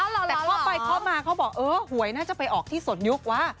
แต่เคาะไปเคาะมาเขาบอกเออหวยน่าจะไปออกที่สนยุควะ